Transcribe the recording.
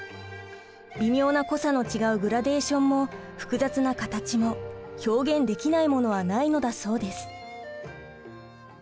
微妙な濃さの違うグラデーションも複雑な形も表現できないものはないのだそうです。